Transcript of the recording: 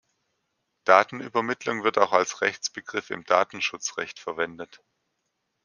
Datenübermittlung wird auch als Rechtsbegriff im Datenschutzrecht verwendet.